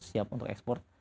siap untuk ekspor